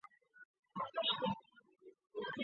林猪殃殃为茜草科拉拉藤属下的一个种。